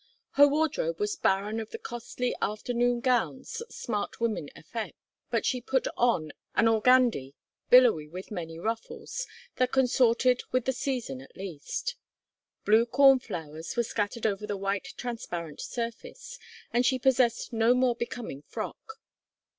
Her wardrobe was barren of the costly afternoon gowns smart women affect, but she put on an organdie, billowy with many ruffles, that consorted with the season, at least. Blue cornflowers were scattered over the white transparent surface, and she possessed no more becoming frock.